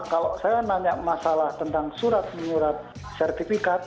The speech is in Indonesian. saya punya banyak masalah tentang surat surat sertifikat